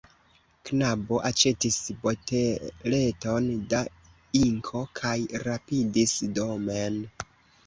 Knabo aĉetis boteleton da inko kaj rapidis domen.